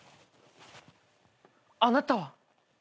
あなたは。